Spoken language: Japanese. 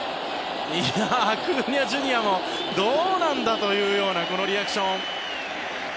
アクーニャＪｒ．もどうなんだというようなこのリアクション。